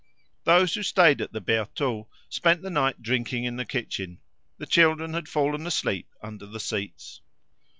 Those who stayed at the Bertaux spent the night drinking in the kitchen. The children had fallen asleep under the seats.